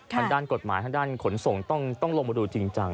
ทางด้านกฎหมายทางด้านขนส่งต้องลงมาดูจริงจัง